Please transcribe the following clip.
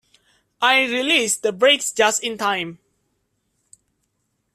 I released the brakes just in time.